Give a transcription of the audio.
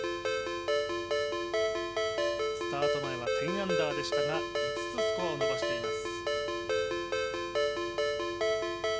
スタート前は１０アンダーでしたが、５つスコアを伸ばしています。